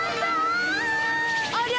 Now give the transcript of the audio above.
ありゃ！